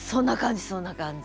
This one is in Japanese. そんな感じ。